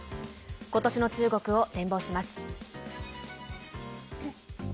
今年の中国を展望します。